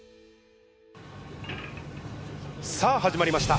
さあ始まりました。